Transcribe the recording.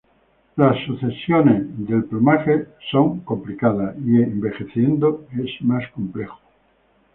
Las sucesiones del plumaje son complicadas, y envejeciendo es más complejo.